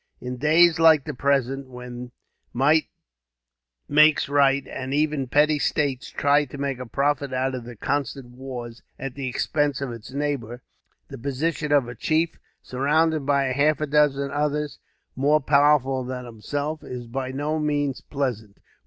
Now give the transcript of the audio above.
In days like the present, when might makes right, and every petty state tries to make profit out of the constant wars, at the expense of its neighbour, the position of a chief, surrounded by half a dozen others more powerful than himself, is by no means pleasant.